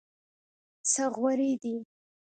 څه غورې دي.